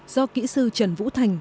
do kỹ sư trần vũ thành